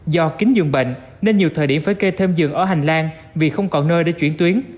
do kín dường bệnh nên nhiều thời điểm phải kê thêm dường ở hành lang vì không còn nơi để chuyển tuyến